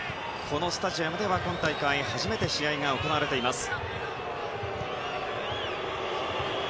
このスタジアムでは今大会初めて試合が行われています。